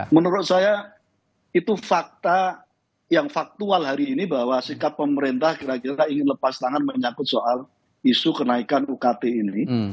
menurut saya itu fakta yang faktual hari ini bahwa sikap pemerintah kira kira ingin lepas tangan menyakut soal isu kenaikan ukt ini